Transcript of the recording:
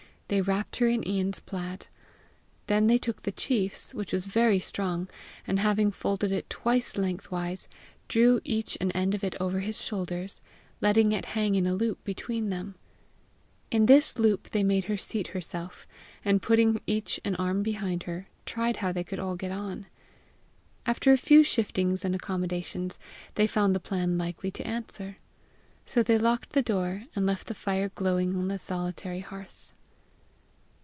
They wrapt her in Ian's plaid. Then they took the chiefs, which was very strong, and having folded it twice lengthwise, drew each an end of it over his shoulders, letting it hang in a loop between them: in this loop they made her seat herself, and putting each as arm behind her, tried how they could all get on. After a few shiftings and accommodations, they found the plan likely to answer. So they locked the door, and left the fire glowing on the solitary hearth.